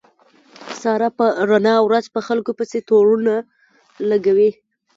ساره په رڼا ورځ په خلکو پسې تورو نه لګوي.